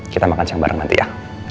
kita makan siang bareng nanti ya